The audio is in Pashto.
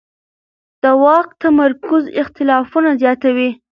د واک تمرکز اختلافونه زیاتوي